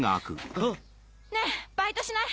ねぇバイトしない？